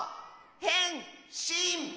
へんしん！